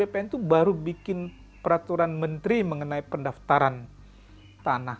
nah t r b p n itu baru bikin peraturan mentri mengenai pendaftaran tanah